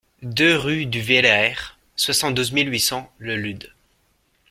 deux rue du Velaert, soixante-douze mille huit cents Le Lude